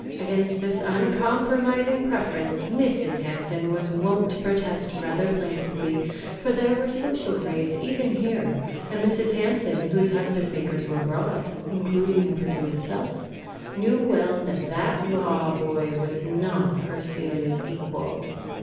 Against this uncompromising preference Mrs. Hansen was wont to protest rather plaintively; for there were social grades even here, and Mrs. Hansen, whose husband's acres were broad (including the Perdu itself), knew well that "that Waugh boy" was not her Celia's equal.